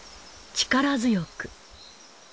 力強く。